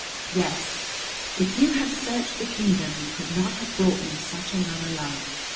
"Yes, if you had searched the kingdom, you could not have brought me such another love.